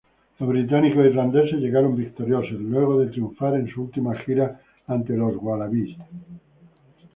Los británico-irlandeses llegaron victoriosos, luego de triunfar en su última gira ante los Wallabies.